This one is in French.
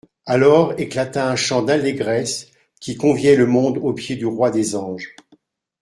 Alors éclata un chant d'allégresse, qui conviait le monde aux pieds du Roi des Anges.